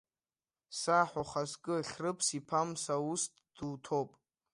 Саҳ ухаҵкы, Хьрыԥс-иԥа Мсаусҭ дуҭоуп…